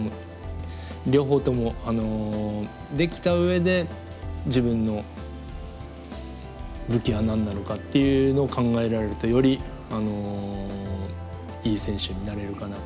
両方ともできた上で自分の武器は何なのかっていうのを考えられるとよりいい選手になれるかなと思います。